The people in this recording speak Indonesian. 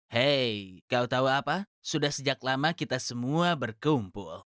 hei kau tahu apa sudah sejak lama kita semua berkumpul